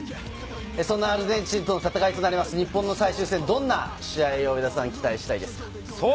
そのアルゼンチンとの戦いとなる日本の最終戦どんな試合を期待したいですか？